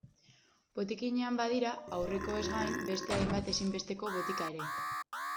Botikinean badira, aurrekoez gain, beste hainbat ezinbesteko botika ere.